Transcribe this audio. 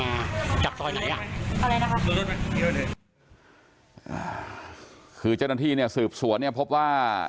อ่าคือเจ้าหน้าที่เนี่ยสืบสวนเนี่ยพบว่า